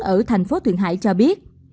ở thành phố thượng hải cho biết